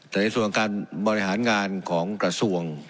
แต่ในส่วนการบริหารงานของกระทรวง